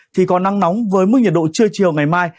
thì có nắng nóng với mức nhiệt độ trưa chiều ngày mai